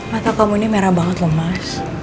mata kamu ini merah banget lemas